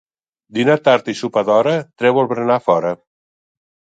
Dinar tard i sopar d'hora, treu el berenar fora.